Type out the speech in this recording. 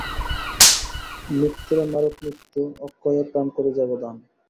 মৃত্যুরে মারুক মৃত্যু, অক্ষয় এ প্রাণ করি যাব দান।